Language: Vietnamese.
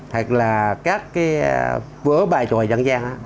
hoặc là các cái vớ bài tròi dân gian